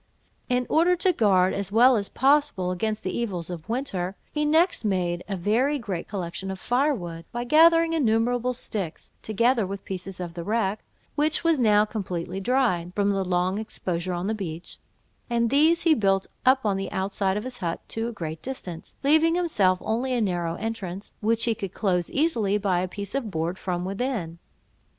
In order to guard, as well as possible, against the evils of winter, he next made a very great collection of firewood, by gathering innumerable sticks, together with pieces of the wreck, which was now completely dried, from long exposure on the beach; and these he built up on the outside of his hut to a great distance, leaving himself only a narrow entrance, which he could close easily by a piece of board from within.